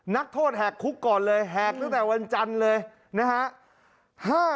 นักโทษแหกคุกก่อนเลยแหกตั้งแต่วันจันทร์เลยนะฮะ